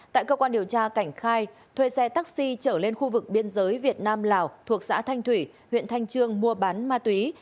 tại cơ quan điều tra cảnh khai thuê xe taxi trở lên khu vực biên giới việt nam lào thuộc xã thanh thủy huyện thanh trương mua bán ma túy